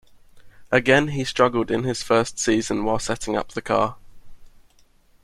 Again he struggled in his first season while setting up the car.